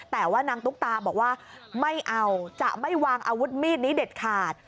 แต่ว่านางตุ๊กตาบอกว่าไม่เอาจะไม่วางอาวุธมีดนี้เด็ดขาด